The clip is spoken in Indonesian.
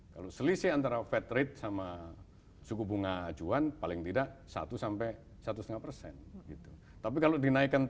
kalau selisih antara fat rate sama suku bunga itu berarti kita harus naikkan